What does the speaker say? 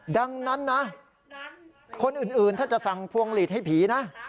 ดังนั้นนะคนอื่นถ้าจะสั่งพวงหลีดให้ผีนะ